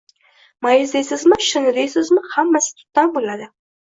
Mayiz deysizmi, shinni deysizmi, hammasi tutdan bo‘ladi.